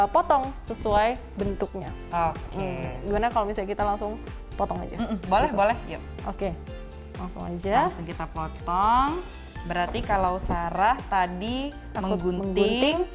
potong sesuai bentuknya oke gimana kalau misalnya kita langsung potong aja boleh boleh yuk oke langsung aja kita potong berarti kalau sarah tadi menggunting